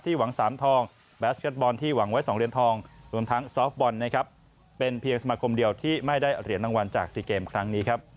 ที่หวัง๓เหรียญทองแบสเก็ตบอลที่หวังไว้๒เหรียญทอง